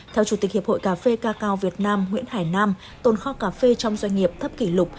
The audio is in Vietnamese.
theo chủ tịch hiệp hội cà phê cà cao việt nam nguyễn hải nam tồn kho cà phê trong doanh nghiệp thấp kỷ lục